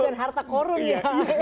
bukan harta korun ya